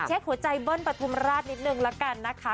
เช็คหัวใจเบิ้ลปฐุมราชนิดนึงละกันนะคะ